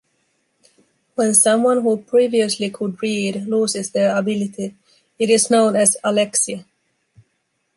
When someone who previously could read loses their ability, it is known as alexia.